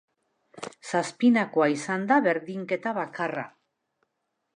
Zazpinakoa izan da berdinketa bakarra.